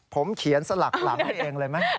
ผมเขียนสลักหลังให้เองเลยไหม